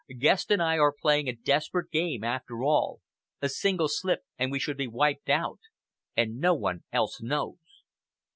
Guest and I are playing a desperate game after all a single slip and we should be wiped out. And no one else knows."